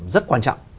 rất quan trọng